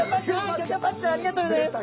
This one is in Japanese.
ギョギョパッチョありがとうギョざいます！